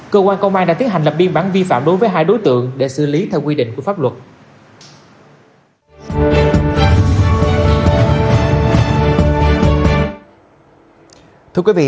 cơ quan công an đã tiến hành lập biên bản vi phạm đối với hai đối tượng để xử lý theo quy định của pháp luật